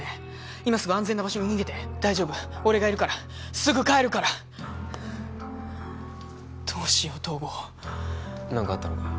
今すぐ安全な場所に逃げて大丈夫俺がいるからすぐ帰るからどうしよう東郷何かあったのか？